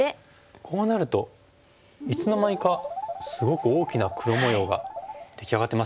こうなるといつの間にかすごく大きな黒模様が出来上がってますよね。